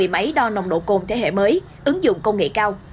một mươi máy đo nồng độ cồn thế hệ mới ứng dụng công nghệ cao